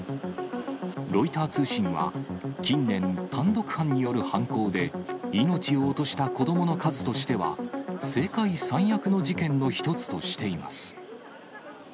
ロイター通信は、近年、単独犯による犯行で、命を落とした子どもの数としては、世界最悪の事件の一つとしています。